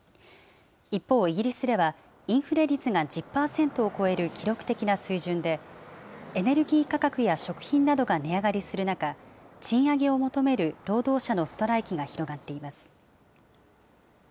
一方、イギリスではインフレ率が１０％を超える記録的な水準で、エネルギー価格や食品などが値上がりする中、賃上げを求める労働者のストライキが広がっています。